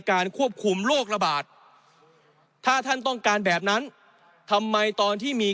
ควบคุมโรคระบาดถ้าท่านต้องการแบบนั้นทำไมตอนที่มี